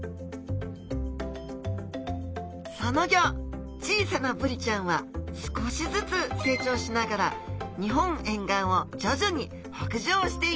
その後小さなブリちゃんは少しずつ成長しながら日本沿岸を徐々に北上していきます